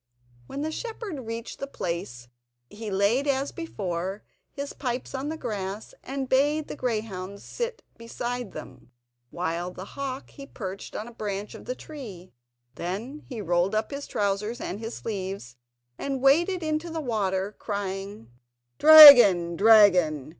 When the shepherd reached the place he laid, as before, his pipes on the grass and bade the greyhounds sit beside them, while the hawk he perched on the branch of the tree. Then he rolled up his trousers and his sleeves, and waded into the water crying: "Dragon! dragon!